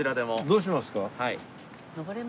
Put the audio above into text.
どうしますか？